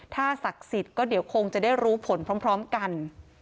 ถ้าศักดิ์สิทธิ์ก็เดี๋ยวคงจะได้รู้ผลพร้อมกัน